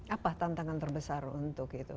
apa tantangan terbesar untuk itu